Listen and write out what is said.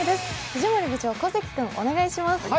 藤森部長、小関君、お願いします。